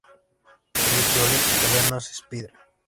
El equivalente italiano es "spider".